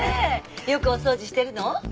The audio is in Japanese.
よくお掃除してるの？